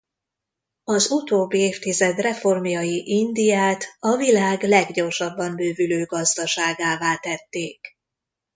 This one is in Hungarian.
Az utóbbi évtized reformjai Indiát a világ leggyorsabban bővülő gazdaságává tették.